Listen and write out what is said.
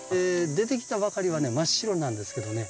出てきたばかりはね真っ白なんですけどね